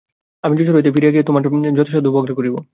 আমি যশোর হইতে ফিরিয়া গিয়া তোমার যথাসাধ্য উপকার করিব!